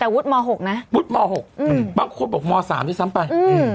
แต่วุฒิมอล์๖นะวุฒิมอล์๖บ้างครูบอกมอล์๓ที่ซ้ำไป